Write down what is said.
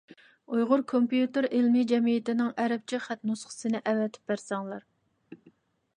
ئۇيغۇر كومپيۇتېر ئىلمى جەمئىيىتىنىڭ ئەرەبچە خەت نۇسخىسىنى ئەۋەتىپ بەرسەڭلار.